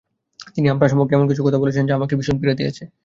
তিনি আপনার সম্পর্কে এমন কিছু কথা বলেছেন যা আমাকে ভীষণ পীড়া দিয়েছে।